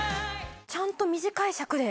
ちゃんと短い尺で。